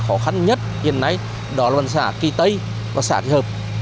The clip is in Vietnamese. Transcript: khó khăn nhất hiện nay đó là xã kỳ tây và xã kỳ hợp